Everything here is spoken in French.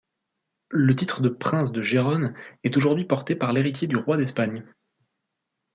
Le titre de prince de Gérone est aujourd'hui porté par l'héritier du roi d'Espagne.